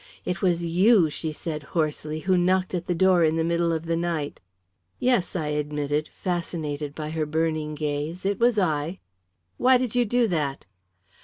"It was you," she said hoarsely, "who knocked at the door in the middle of the night." "Yes," I admitted, fascinated by her burning gaze, "it was I." "Why did you do that?"